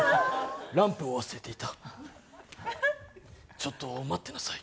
ちょっと待ってなさい！